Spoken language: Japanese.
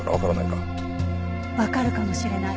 わかるかもしれない。